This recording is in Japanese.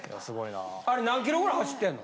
あれ何キロぐらい走ってんの？